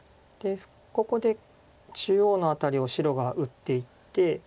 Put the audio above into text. ここで中央の辺りを白が打っていって。